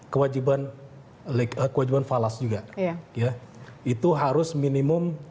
kewajiban falas juga ya itu harus minimum